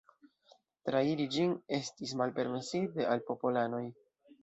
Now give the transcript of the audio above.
Trairi ĝin estis malpermesite al popolanoj.